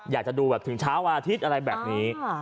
อยากจะดูแบบถึงเช้าวันอาทิตย์อะไรแบบนี้